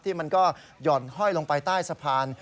มันก็หย่อนห้อยลงไปใต้สะพาน